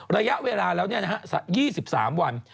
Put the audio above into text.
ระยะเวลาแล้ว๒๓วัน